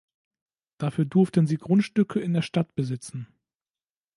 Dafür durften sie Grundstücke in der Stadt besitzen.